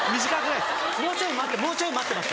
もうちょい待ってるもうちょい待ってます。